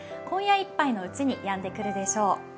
今夜いっぱいのうちにやんでくるでしょう。